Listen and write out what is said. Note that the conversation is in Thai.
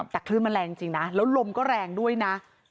แต่คลื่นมันแรงจริงนะแล้วลมก็แรงด้วยนะ